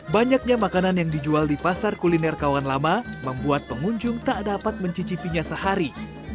banyaknya makanan yang dijual di pasar kuliner kawan lama membuat pengunjung tak dapat mencicipinya sehari